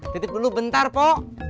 titip dulu bentar po